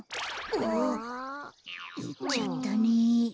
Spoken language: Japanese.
あっ。いっちゃったね。